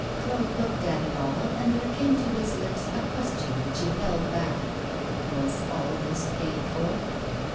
Claude looked at it all, and there came to his lips a question which he held back Was all this paid for?